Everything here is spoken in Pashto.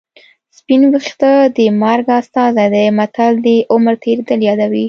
سپین ویښته د مرګ استازی دی متل د عمر تېرېدل یادوي